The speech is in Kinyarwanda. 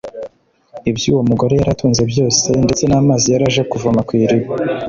ibyo uwo mugore yari atunze byose ndetse n'amazi yari aje kuvoma ku iriba